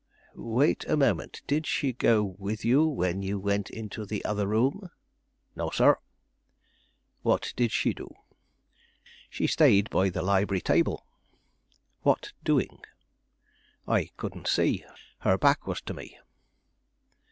"Wait a moment; did she go with you when you went into the other room?" "No, sir." "What did she do?" "She stayed by the library table." "What doing?" "I couldn't see; her back was to me."